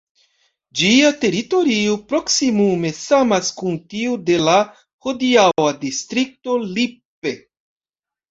Ĝia teritorio proksimume samas kun tiu de la hodiaŭa distrikto Lippe.